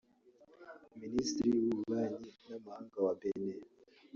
Minisitiri w’Ububanyi n’Amahanga wa Benin